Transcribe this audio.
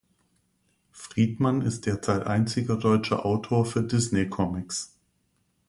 Friedmann ist derzeit einziger deutscher Autor für Disney-Comics.